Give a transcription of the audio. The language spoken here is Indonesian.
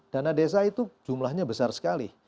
dana desa itu jumlahnya besar sekali